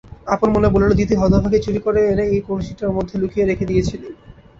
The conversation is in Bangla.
আপন মনে বলিল, দিদি হতভাগী চুরি করে এনে ওই কলসীটার মধ্যে লুকিয়ে রেখে দিইছিল!